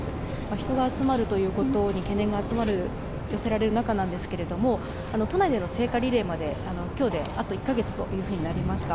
人が集まるということに懸念が集まる、寄せられる中なんですけれども、都内での聖火リレーまで、きょうであと１か月というふうになりました。